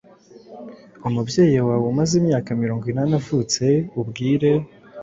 umubyeyi wawe umaze imyaka mirongo inani avutse. Ubwire